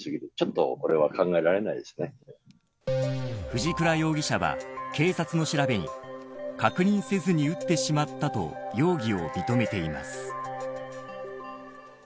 藤倉容疑者は警察の調べに確認せずに撃ってしまったと容疑を認めています。